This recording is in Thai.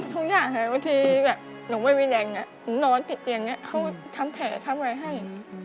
ทุกอย่างบางทีหนูไม่มีแดงหนูนอนติดอย่างนี้เขาทำแผลทำไว้ให้